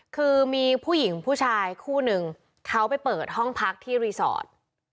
คือมีผู้หญิงผู้ชายคู่นึงเขาไปเปิดห้องพักที่รีสอร์ท